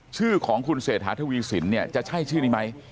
ชื่อของคุณเศรษฐาทวีสินเนี่ยจะใช่ชื่อนี้ไหม